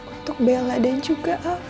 untuk bella dan juga